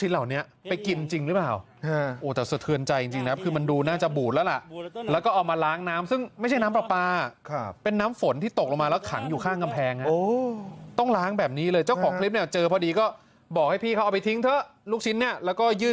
เอาเงินไปซื้อใหม่ไปเอาทิมซะมันเสียแล้วมันบูดแล้ว